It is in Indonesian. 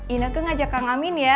ineke ngajak kang amin ya